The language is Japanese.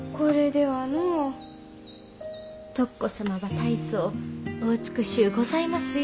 徳子様は大層お美しうございますよ。